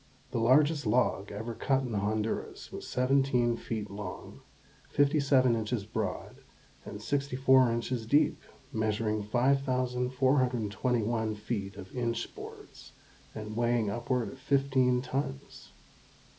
The largest log ever cut in Honduras was seventeen feet long, fifty seven inches broad, and sixty four inches deep, measuring 5,421 feet of inch boards, and weighing upward of fifteen tons.